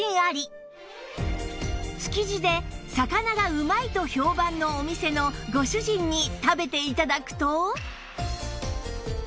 築地で魚がうまいと評判のお店のご主人に食べて頂くと